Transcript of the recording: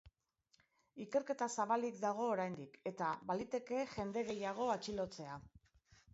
Ikerketa zabalik dago oraindik, eta baliteke jende gehiago atxilotzea.